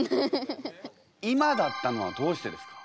今だったのはどうしてですか？